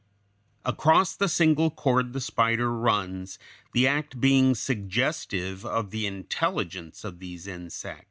Across the single cord the spider runs, the act being suggestive of the intelligence of these insects.